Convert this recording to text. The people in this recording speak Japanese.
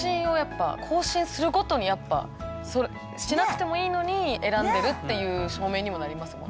更新するごとにやっぱしなくてもいいのに選んでるっていう証明にもなりますもんね。